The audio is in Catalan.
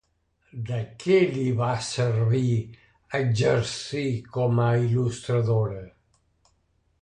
De què li va servir exercir com a il·lustradora?